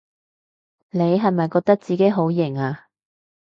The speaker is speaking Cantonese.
你係咪覺得自己好型吖？